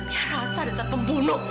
biar rasa dasar pembunuh